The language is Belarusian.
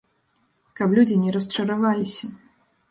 Каб людзі не расчараваліся.